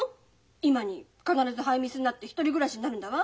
今に必ずハイミスになって１人暮らしになるんだわ。